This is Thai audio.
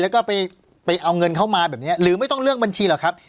แล้วก็ไปเอาเงินเข้ามาแบบนี้หรือไม่ต้องเลือกบัญชีหรอกครับ